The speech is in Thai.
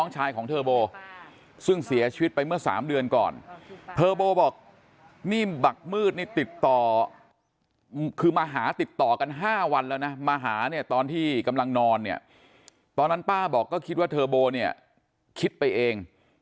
เสียชีวิตไปเมื่อ๓เดือนก่อนเธอโบบอกนี่บักมืดนี่ติดต่อคือมาหาติดต่อกัน๕วันแล้วนะมาหาเนี่ยตอนที่กำลังนอนเนี่ยตอนนั้นป้าบอกก็คิดว่าเทอร์โบเนี่ยคิดไปเอง